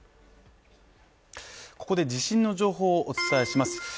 ここで地震の情報をお伝えします。